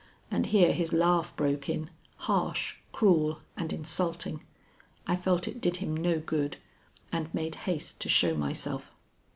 And here his laugh broke in, harsh, cruel, and insulting. I felt it did him no good, and made haste to show myself.